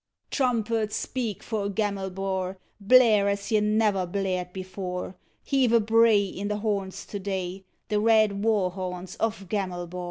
Trumpets, speak for Gamelbar! Blare as ye never blared before! Heave a bray In the horns to day, The red war horns of Gamelbar!